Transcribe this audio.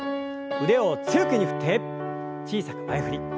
腕を強く振って小さく前振り。